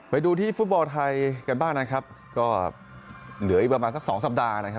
ไปดูที่ฟุตบอลไทยกันบ้างนะครับก็เหลืออีกประมาณสักสองสัปดาห์นะครับ